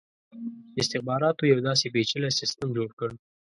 استخباراتو یو داسي پېچلی سسټم جوړ کړ.